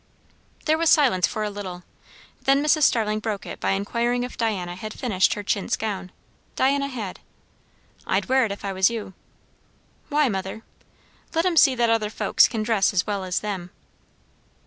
There was silence for a little; then Mrs. Starling broke it by inquiring if Diana had finished her chintz gown. Diana had. "I'd wear it, if I was you." "Why, mother?" "Let 'em see that other folks can dress as well as them."